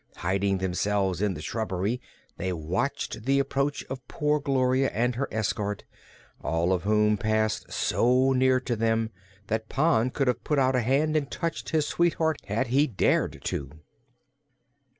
Hiding themselves in the shrubbery, they watched the approach of poor Gloria and her escort, all of whom passed so near to them that Pon could have put out a hand and touched his sweetheart, had he dared to.